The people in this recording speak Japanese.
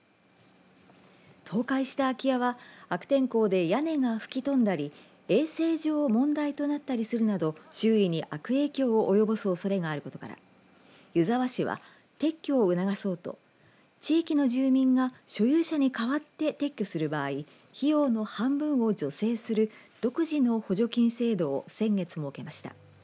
倒壊した空き家は悪天候で、屋根が吹き飛んだり衛生上問題となったりするなど周囲に悪影響を及ぼすおそれがあることから湯沢市は撤去を促そうと地域の住民が所有者に代わって撤去する場合費用の半分を助成する独自の補助金制度を先月、設けました。